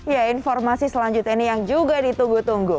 ya informasi selanjutnya ini yang juga ditunggu tunggu